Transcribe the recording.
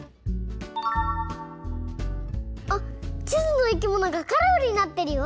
あっちずのいきものがカラフルになってるよ。